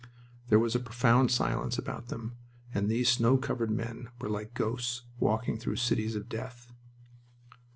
There was a profound silence about them, and these snow covered men were like ghosts walking through cities of death.